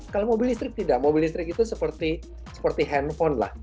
kalau mobil listrik tidak mobil listrik itu seperti handphone lah